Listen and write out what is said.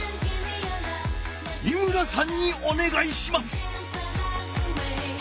井村さんにおねがいします！